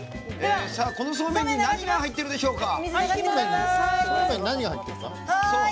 このそうめんに何が入ってるでしょうか。